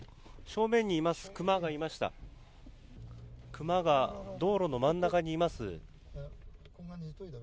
クマが道路の真ん中にいます。